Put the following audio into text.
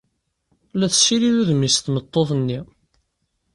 La tessirid udem-is tmeṭṭut-nni.